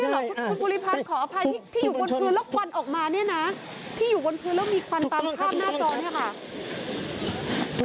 เหรอคุณภูริพันธ์ขออภัยที่อยู่บนพื้นแล้วควันออกมาเนี่ยนะที่อยู่บนพื้นแล้วมีควันตามภาพหน้าจอเนี่ยค่ะ